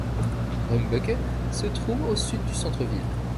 Rumbeke se trouve au sud du centre-ville.